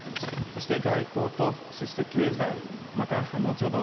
そして外交と、そして経済、また後ほど